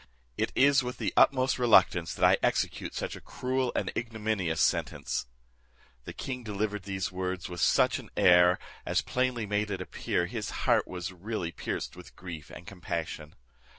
It is with the utmost reluctance that I execute such a cruel and ignominious sentence." The king delivered these words with such an air, as plainly made it appear his heart was really pierced with grief and compassion.